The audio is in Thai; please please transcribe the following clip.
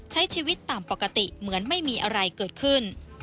ใช้ชีวิตตามปกติเหมือนไม่มีอะไรเกิดขึ้น